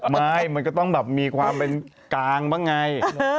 ไม่มันก็ต้องแบบมีความเป็นกลางบ้างไง